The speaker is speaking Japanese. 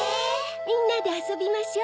みんなであそびましょう。